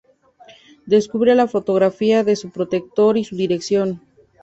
Descubre la fotografía de su protector y su dirección.